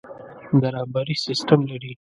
د رهبري سسټم لري.